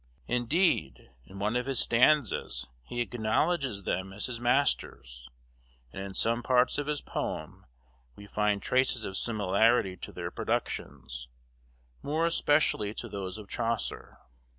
Indeed, in one of his stanzas he acknowledges them as his masters; and in some parts of his poem we find traces of similarity to their productions, more especially to those of Chaucer.